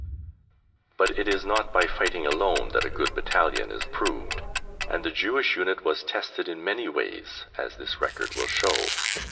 But it is not by fighting alone that a good battalion is proved, and the Jewish unit was tested in many ways as this record will show.